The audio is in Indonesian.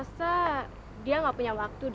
aku rasa dia tidak punya waktu